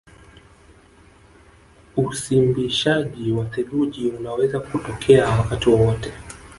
Usimbishaji wa theluji unaweza kutokea wakati wowote